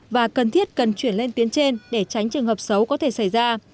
và cần thiết cần chuyển lên tuyến trên để tránh trường hợp xấu có thể xảy ra